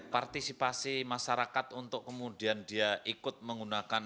partisipasi masyarakat untuk kemudian dia ikut menggunakan